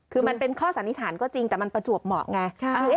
คือมันเป็นข้อสันนิษฐานก็จริงแต่มันประจวบเหมาะไง